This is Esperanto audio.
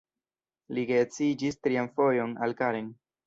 Li geedziĝis trian fojon, al Karen.